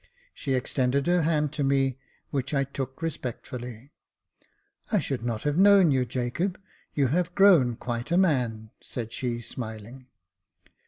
She extended her hand to me, which I took respectfully. "I should not have known you, Jacob; you have grown quite a man," said she, smiling.